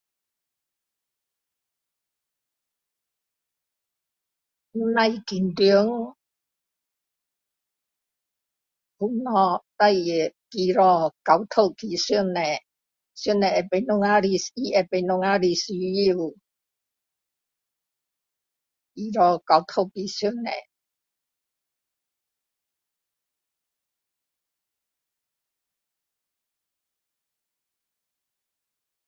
不用紧张所有事情祈祷交托给上帝上帝知道我们的他知道我们的需要祈祷交托给上帝